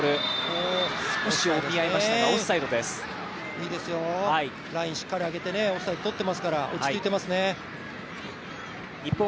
いいですよ、ラインしっかり上げてオフサイド取っていますから落ち着いてますね。